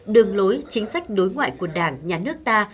đường lối chính sách đối ngoại của đảng nhà nước ta